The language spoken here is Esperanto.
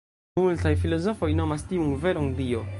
Multaj filozofoj nomas tiun veron “Dio”.